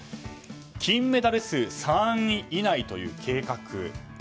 金メダル数３位以内という計画。